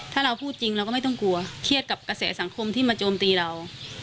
ถ้าเราพูดจริงเราก็ไม่ต้องกลัวเครียดกับกระแสสังคมที่มาโจมตีเรา